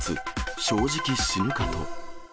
正直、死ぬかと。